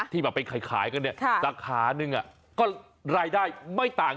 ที่แบบไปขายกันเนี่ยราคาหนึ่งก็รายได้ไม่ต่าง